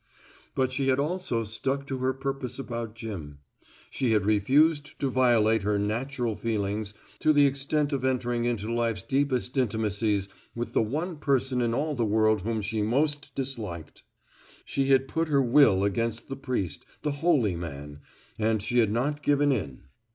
But she had also stuck to her purpose about Jim. She had refused to violate her natural feelings to the extent of entering into life's deepest intimacies with the one person in all the world whom she most disliked. She had put her will against the priest, the holy man, and she had not given in.